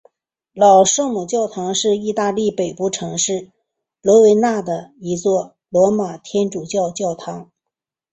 老圣母教堂是意大利北部城市维罗纳的一座罗马天主教教堂。